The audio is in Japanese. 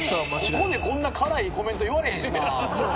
ここでこんな辛いコメント言われへんしな。ホンマや。